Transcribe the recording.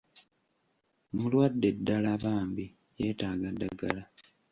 Mulwadde ddala bambi yeetaaga ddagala!